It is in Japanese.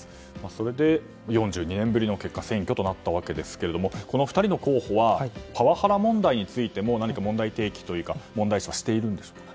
それで、４２年ぶりの選挙となったわけですがこの２人の候補はパワハラ問題についても何か問題提起というか問題視はしているんですか？